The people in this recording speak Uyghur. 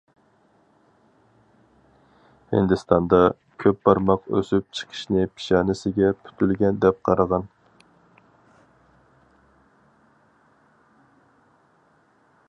ھىندىستاندا، كۆپ بارماق ئۆسۈپ چىقىشنى پېشانىسىگە پۈتۈلگەن دەپ قارىغان.